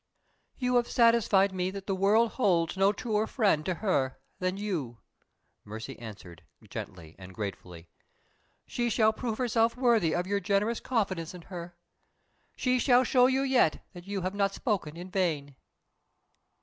"You have satisfied me that the world holds no truer friend to her than you," Mercy answered, gently and gratefully. "She shall prove herself worthy of your generous confidence in her. She shall show you yet that you have not spoken in vain."